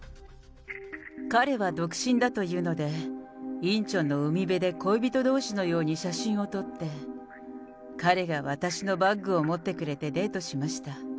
彼は独身だというので、インチョンの海辺で恋人どうしのように写真を撮って、彼が私のバッグを持ってくれて、デートしました。